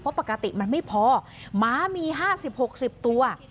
เพราะปกติมันไม่พอหมามี๕๐๖๐ตัว